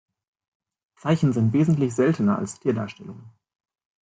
Zeichen sind wesentlich seltener als Tierdarstellungen.